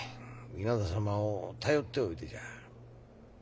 稲田様を頼っておいでじゃ。